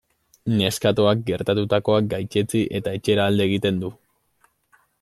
Neskatoak gertatutakoa gaitzetsi eta etxera alde egiten du.